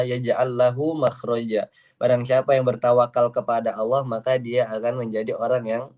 yajaallahu makhroja barangsiapa yang bertawakal kepada allah maka dia akan menjadi orang yang